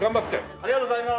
ありがとうございます。